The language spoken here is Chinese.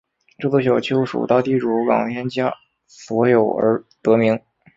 这座小丘属大地主冈田家所有而得名。